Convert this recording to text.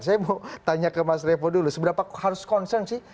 saya mau tanya ke mas revo dulu seberapa harus concern sih